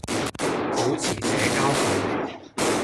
保持社交距離